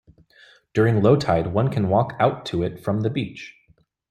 During low tide, one can walk out to it from the beach.